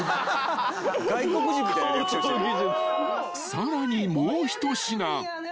［さらにもう一品］